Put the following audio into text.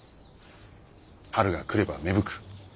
春が来れば芽吹く。